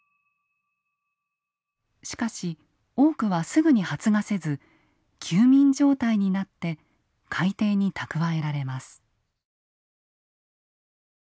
しかし多くはすぐに発芽せず休眠状態になって海底に蓄えられます。